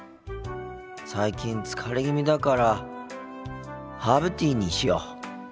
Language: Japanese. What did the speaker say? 最近疲れ気味だからハーブティーにしよう。